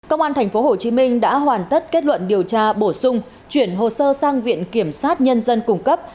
công an tp hcm đã hoàn tất kết luận điều tra bổ sung chuyển hồ sơ sang viện kiểm sát nhân dân cung cấp